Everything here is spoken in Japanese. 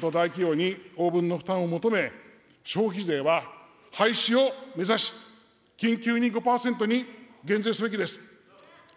と大企業に応分の負担を求め、消費税は廃止を目指し、緊急に５％に減税すべきです。